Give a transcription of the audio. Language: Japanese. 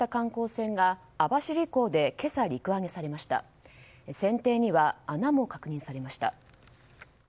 船底には穴も確認されました。